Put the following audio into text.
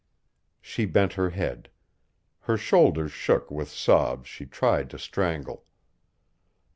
She bent her head. Her shoulders shook with sobs she tried to strangle.